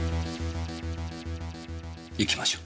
行きましょう。